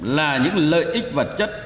là những lợi ích vật chất